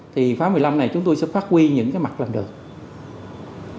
thì khóa một mươi năm này chúng tôi sẽ phát huy những cái mặt làm được